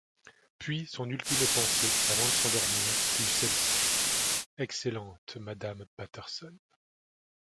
Puis son ultime pensée, avant de s’endormir, fut celle-ci ;« Excellente madame Patterson!...